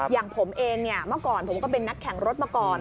อย่างผมเองเนี่ยเมื่อก่อนผมก็เป็นนักแข่งรถมาก่อน